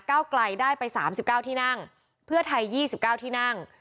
ไกลได้ไป๓๙ที่นั่งเพื่อไทย๒๙ที่นั่ง